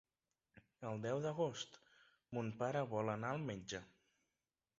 El deu d'agost mon pare vol anar al metge.